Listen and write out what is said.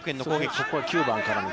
ここは９番から。